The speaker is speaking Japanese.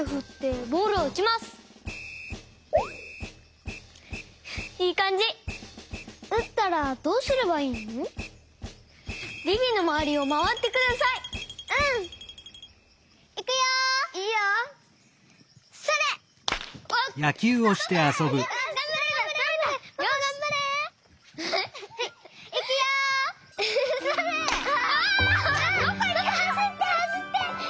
ポポはしってはしって！